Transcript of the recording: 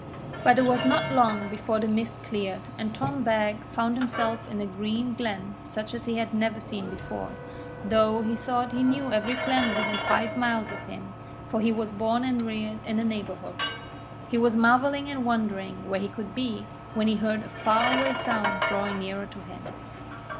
But it was not long before the mist cleared, and Tom Beg found himself in a green glen such as he had never seen before, though he thought he knew every glen within five miles of him, for he was born and reared in the neighbourhood. He was marvelling and wondering where he could be, when he heard a far away sound drawing nearer to him.